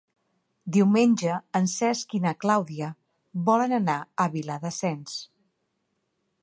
Diumenge en Cesc i na Clàudia volen anar a Viladasens.